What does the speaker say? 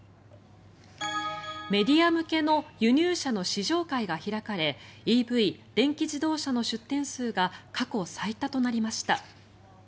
メディア向けの輸入車の試乗会が開かれＥＶ・電気自動車の出展数が過去最多となりました。